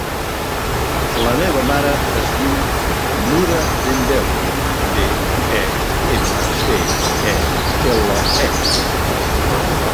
La meva mare es diu Nura Dembele: de, e, ema, be, e, ela, e.